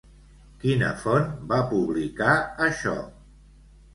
Quina font va publicar això?